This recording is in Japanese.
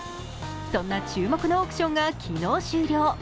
そんな注目のオークションが昨日終了。